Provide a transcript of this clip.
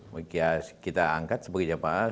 maka kita angkat sebagai jamaah